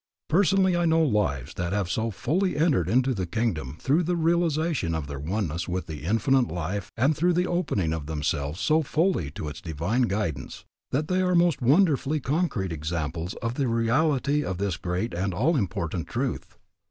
Personally I know lives that have so fully entered into the kingdom through the realization of their oneness with the Infinite Life and through the opening of themselves so fully to its divine guidance, that they are most wonderful concrete examples of the reality of this great and all important truth.